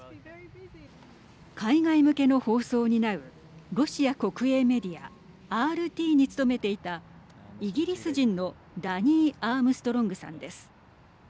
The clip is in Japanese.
海外向けの放送を担うロシア国営メディアＲＴに勤めていたイギリス人のダニー・アームストロングさんです。